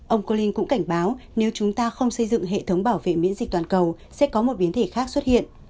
ông collin cũng cảnh báo nếu chúng ta không xây dựng hệ thống bảo vệ miễn dịch toàn cầu sẽ có một biến thể khác xuất hiện